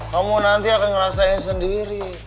kamu nanti akan ngerasain sendiri